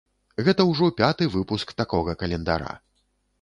Гэта ўжо пяты выпуск такога календара.